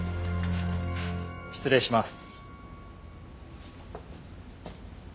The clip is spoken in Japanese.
失礼します。